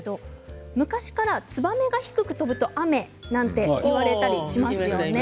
昔からツバメが低く飛ぶと雨なんて言われたりしますよね。